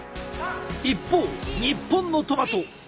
一方日本のトマト。